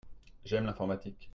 J'aime l'informatique.